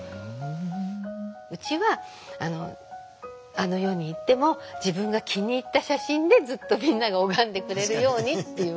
うちはあの世に行っても自分が気に入った写真でずっとみんなが拝んでくれるようにっていう感じで。